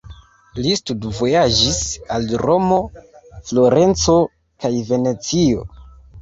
Li studvojaĝis al Romo, Florenco kaj Venecio.